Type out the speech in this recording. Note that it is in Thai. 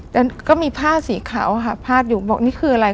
แต่ก็มีผ้าสีขาวค่ะพาดอยู่บอกนี่คืออะไร